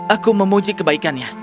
aku memuji kebaikannya